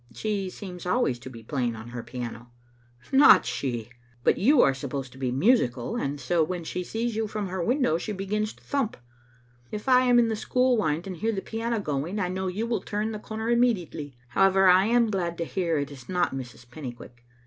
" She seems always to be playing on her piano." " Not she ; but you are supposed to be musical, and so when she sees you from her window she begins to thump. If I am in the school wynd and hear the piano going, I know you will turn the comer immediately. However, I am glad to hear it is not Miss Pennycuick.